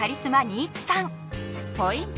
ポイント